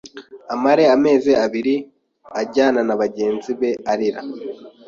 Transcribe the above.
amare amezi abiri Ajyana na bagenzi be aririra